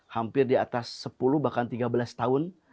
hampir di atas sepuluh bahkan tiga belas tahun